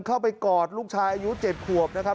กอดลูกชายอายุ๗ขวบนะครับ